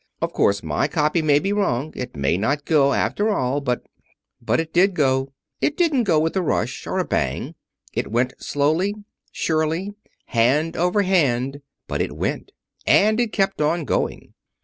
Of course my copy may be wrong. It may not go, after all, but " But it did go. It didn't go with a rush, or a bang. It went slowly, surely, hand over hand, but it went, and it kept on going.